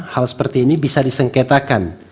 hal seperti ini bisa disengketakan